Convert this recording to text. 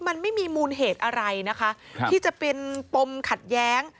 มันไม่มีมูลเหตุอะไรนะคะที่จะเป็นปมขัดแย้ง